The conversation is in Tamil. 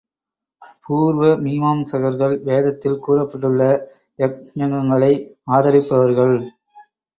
பூர்வ மீமாம்சகர்கள் வேதத்தில் கூறப்பட்டுள்ள யக்ஞங்களை ஆதரிப்பவர்கள்.